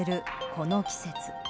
この季節。